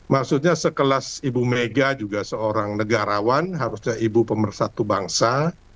maksudnya sekelas ibu mega juga seorang negarawan harusnya ibu pemersatu bangsa